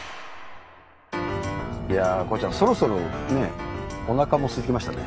いやあ孝ちゃんそろそろねおなかもすきましたね。